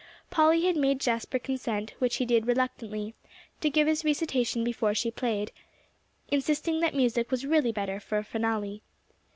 Polly had made Jasper consent, which he did reluctantly, to give his recitation before she played; insisting that music was really better for a finale.